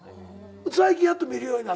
最近やっと見るようになったり？